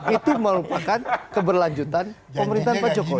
itu merupakan keberlanjutan pemerintahan pak jokowi